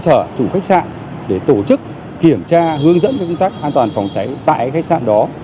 các khách sạn để tổ chức kiểm tra hướng dẫn công tác an toàn phòng cháy tại các khách sạn đó